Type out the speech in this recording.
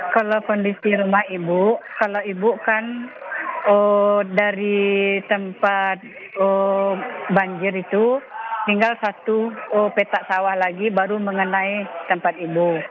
kalau kondisi rumah ibu kalau ibu kan dari tempat banjir itu tinggal satu petak sawah lagi baru mengenai tempat ibu